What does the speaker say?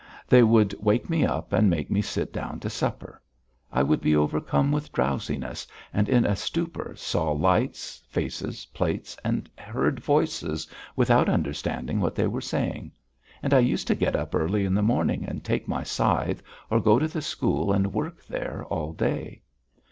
They would wake me up and make me sit down to supper. I would be overcome with drowsiness and in a stupor saw lights, faces, plates, and heard voices without understanding what they were saying. And I used to get up early in the morning and take my scythe, or go to the school and work there all day.